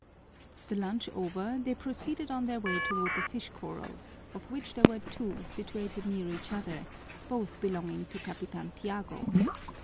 The lunch over, they proceeded on their way toward the fish corrals, of which there were two situated near each other, both belonging to Capitan Tiago.